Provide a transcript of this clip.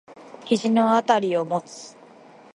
肘のあたりを持つ。